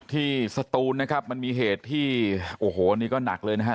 สตูนนะครับมันมีเหตุที่โอ้โหนี่ก็หนักเลยนะฮะ